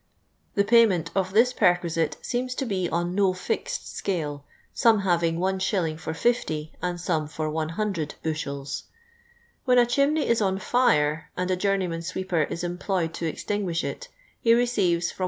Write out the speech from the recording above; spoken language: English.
The jmunent of this pi*r quisitc seems lo be on no iixed scale, some having l.«. for oO, and some for luo buahels. When a chimney is on fire and a j«)urueyman sweeper is employed to extinguish it, he receives from 1*.